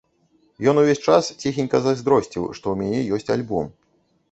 Ён увесь час ціхенька зайздросціў, што ў мяне ёсць альбом.